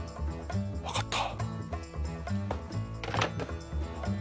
分かった。